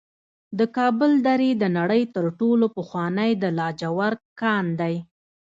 د کابل درې د نړۍ تر ټولو پخوانی د لاجورد کان دی